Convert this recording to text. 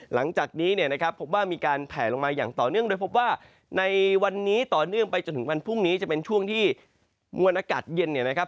หลังจากนี้เนี่ยนะครับพบว่ามีการแผลลงมาอย่างต่อเนื่องโดยพบว่าในวันนี้ต่อเนื่องไปจนถึงวันพรุ่งนี้จะเป็นช่วงที่มวลอากาศเย็นเนี่ยนะครับ